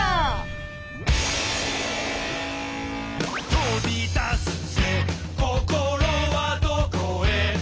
「飛び出すぜ心はどこへ」